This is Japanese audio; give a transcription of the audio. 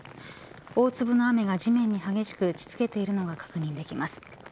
大粒の雨が地面に激しく打ち付けているのが確認できます。